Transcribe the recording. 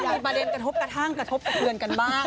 มีประเด็นกระทบกระทั่งกระทบกระเทือนกันบ้าง